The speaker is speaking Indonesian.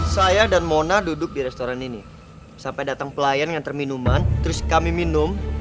saya dan mona duduk di restoran ini sampai datang pelayan ngantar minuman terus kami minum